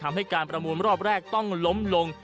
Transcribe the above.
ทำให้การประมูลรอบแรกต้องล้มลง